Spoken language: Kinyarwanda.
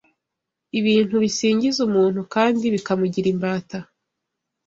ibintu bisigingiza umuntu kandi bikamugira imbata